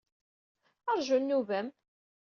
Rju nnuba-m.